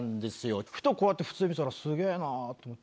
ふとこうやって普通に見てたらスゲェなと思って。